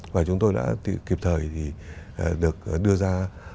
và chúng tôi đã kịp thời thì được đưa ra